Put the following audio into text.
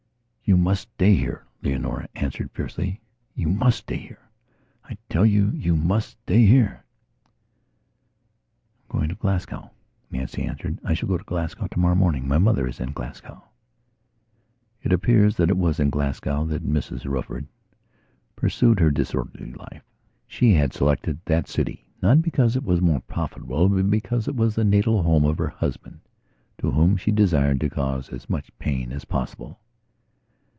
"You must stay here," Leonora answered fiercely. "You must stay here. I tell you you must stay here." "I am going to Glasgow," Nancy answered. "I shall go to Glasgow tomorrow morning. My mother is in Glasgow." It appears that it was in Glasgow that Mrs Rufford pursued her disorderly life. She had selected that city, not because it was more profitable but because it was the natal home of her husband to whom she desired to cause as much pain as possible.